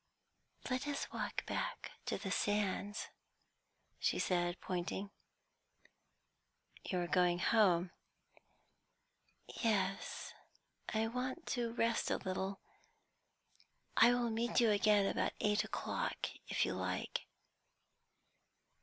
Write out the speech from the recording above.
"Let us walk back on the sands," she said, pointing. "You are going home?" "Yes, I want to rest a little. I will meet you again about eight o'clock, if you like."